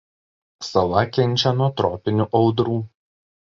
Sala kenčia nuo tropinių audrų.